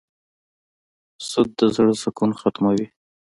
سود د زړه سکون ختموي.